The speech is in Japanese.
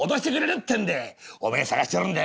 ってんでおめえ捜してるんだよ